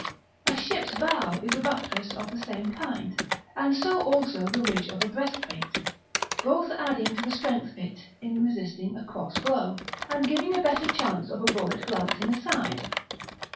A ship's bow is a buttress of the same kind, and so also the ridge of a breastplate, both adding to the strength of it in resisting a cross blow, and giving a better chance of a bullet glancing aside.